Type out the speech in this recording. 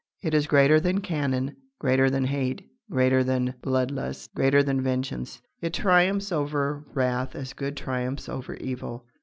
It is greater than cannon, greater than hate, greater than blood lust, greater than vengeance. It triumphs over wrath as good triumphs over evil.